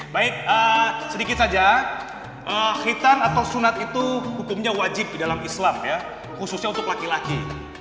baik sedikit saja hitan atau sunat itu hukumnya wajib di dalam islam khususnya untuk laki laki